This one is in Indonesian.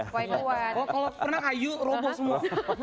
kalau pernah ayu robo semua